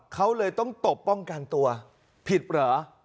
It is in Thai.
เขาเลยต้องตบป้องกันตัวผิดเหรอ